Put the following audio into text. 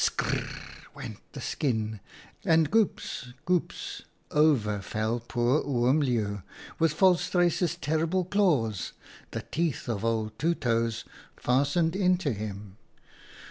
Sk r r r r! went the skin, and goops ! goops ! over fell poor Oom Leeuw, with Volstruis's terrible claws — the teeth of old Two Toes — fastened into him.